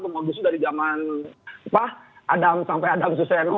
ngomong busu dari zaman pak adam sampai adam suseno